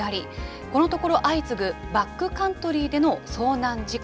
このところ相次ぐバックカントリーでの遭難事故。